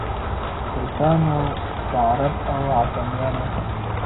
چي سلطان وو د عرب او عجمیانو